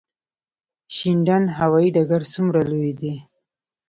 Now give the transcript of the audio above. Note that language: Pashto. شینډنډ هوايي ډګر څومره لوی دی؟